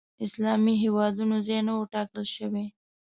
اسلامي هېوادونو ځای نه و ټاکل شوی